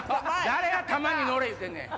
誰が球に乗れ言うてんねん！